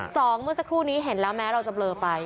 เมื่อสักครู่นี้เห็นแล้วแม้เราจะเบลอไป